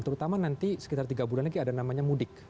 terutama nanti sekitar tiga bulan lagi ada namanya mudik